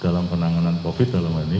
dalam penanganan covid dalam hal ini